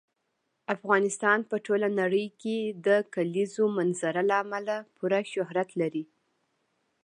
افغانستان په ټوله نړۍ کې د کلیزو منظره له امله پوره شهرت لري.